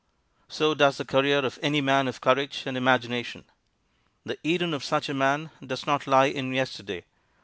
So does the career of any man of courage and imagination. The Eden of such a man does not lie in yesterday.